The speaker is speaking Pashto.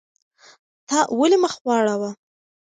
تا ولې مخ واړاوه؟